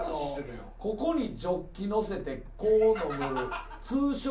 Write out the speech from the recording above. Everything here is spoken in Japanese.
ここにジョッキ載せてこう飲む。